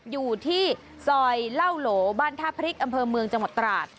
อยู่ที่ซอยเหล้าโหลบ้านท่าพริกอำเภอเมืองจังหวัดตราด